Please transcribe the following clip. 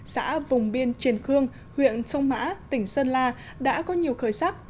xã vùng biên triền khương huyện sông mã tỉnh sơn la đã có nhiều khởi sắc